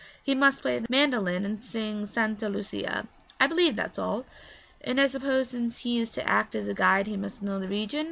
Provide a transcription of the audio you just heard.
He must play the mandolin and sing Santa Lucia I believe that's all.' 'And I suppose since he is to act as guide he must know the region?'